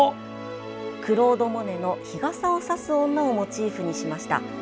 クロード・モネの「日傘をさす女」をモチーフにしました。